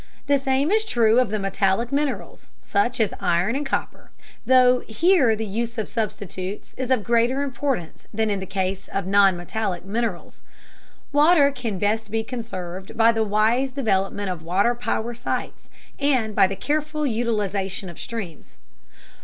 The same is true of the metallic minerals, such as iron and copper, though here the use of substitutes is of greater importance than in the case of non metallic minerals. Water can best be conserved by the wise development of water power sites, and by the careful utilization of streams.